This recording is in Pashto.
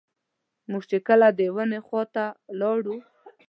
موږ چې کله د ونې خواته لاړو.